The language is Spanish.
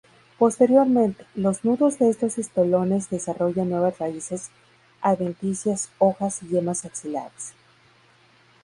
Posteriormente, los nudos de estos estolones desarrollan nuevas raíces adventicias, hojas y yemas axilares.